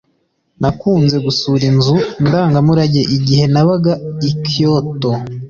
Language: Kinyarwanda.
nakunze gusura inzu ndangamurage igihe nabaga i kyoto.